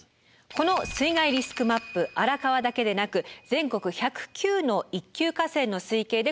この水害リスクマップ荒川だけでなく全国１０９の一級河川の水系で公表されています。